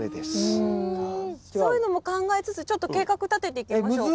そういうのも考えつつちょっと計画たてていきましょうか。